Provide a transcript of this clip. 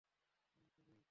হ্যাঁ, তুমিই!